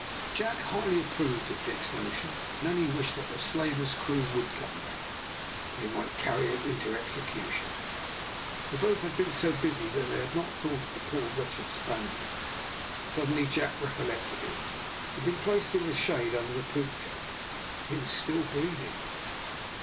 Jack highly approved of Dick's notion, and only wished that the slaver's crew would come back, that he might carry it into execution. They both had been so busy that they had not thought of the poor wretched Spaniard. Suddenly Jack recollected him. He had been placed in the shade, under the poop deck. He was still breathing.